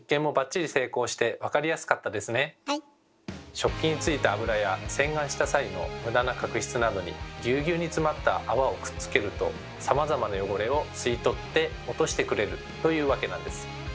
食器についた油や洗顔した際の無駄な角質などにぎゅうぎゅうにつまった泡をくっつけるとさまざまな汚れを吸い取って落としてくれるというわけなんです。